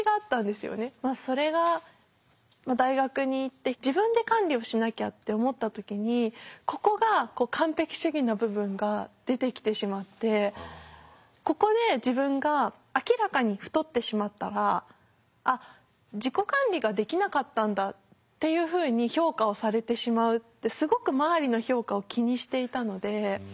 それが大学に行って自分で管理をしなきゃって思った時にここが完璧主義の部分が出てきてしまってここで自分が明らかに太ってしまったら「あっ自己管理ができなかったんだ」っていうふうに評価をされてしまうってすごく周りの評価を気にしていたので。